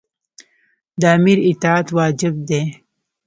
د امیر اطاعت واجب دی.